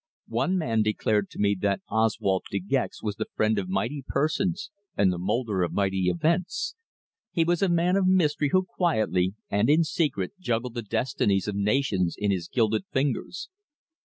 One man declared to me that Oswald De Gex was the friend of mighty persons and the moulder of mighty events. He was a man of mystery who quietly and in secret juggled the destinies of nations in his gilded fingers.